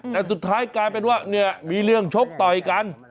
แต่สุดท้ายกลายเป็นว่าเนี่ยมีเรื่องชกต่อยกัน